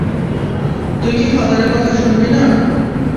তুই কী ফাদারের কথা শুনবি না?